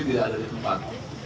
tidak ada di tempat